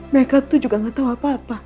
mereka tuh juga gak tahu apa apa